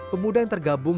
pemuda yang tergabung